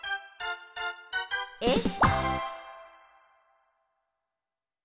えっ？